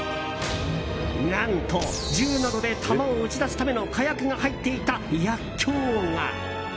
何と銃などで弾を撃ち出すための火薬が入っていた薬きょうが！